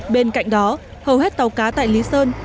bên cạnh đó hầu hết tàu cá tại lý sơn có công suất năm trăm sáu mươi cv